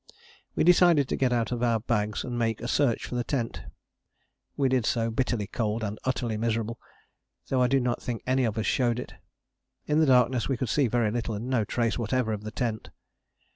We decided to get out of our bags and make a search for the tent. We did so, bitterly cold and utterly miserable, though I do not think any of us showed it. In the darkness we could see very little, and no trace whatever of the tent.